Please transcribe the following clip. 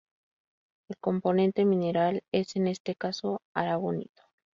El componente mineral es en este caso aragonito.